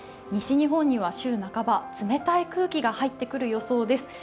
西日本には週半ば、冷たい空気が入ってくる予想です。